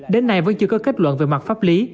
đến nay vẫn chưa có kết luận về mặt pháp lý